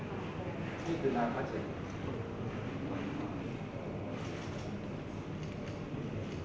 ครับคราวนี้ยี่สิบล้านครับงั้นที่ไหนก็ไม่รู้ครับฮะ